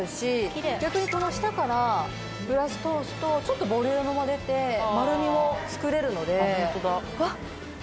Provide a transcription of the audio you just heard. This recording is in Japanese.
逆にこの下からブラシ通すとちょっとボリュームも出て丸みも作れるので。